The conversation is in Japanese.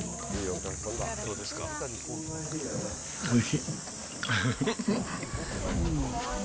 おいしい。